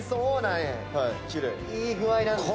いい具合なんですよ。